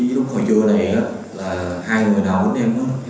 tại vì lúc hồi trưa này là hai người nào cũng đem em không nhận ra được